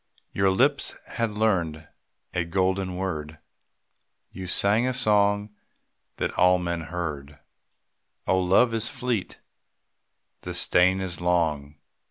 Your lips had learned a golden word, You sang a song that all men heard, Oh, love is fleet, the strain is long.